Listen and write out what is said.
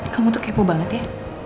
kamu tuh kepo banget ya